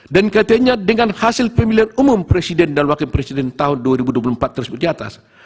dan katanya dengan hasil pemilihan umum presiden dan wakil presiden tahun dua ribu dua puluh empat tersebut diatas